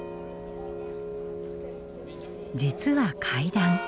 実は階段。